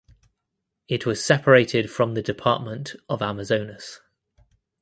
It was separated from the Department of Amazonas.